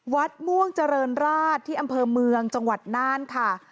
วัดม่วงเจริญราชที่อำเภอเมืองจังหวัดน่านค่ะ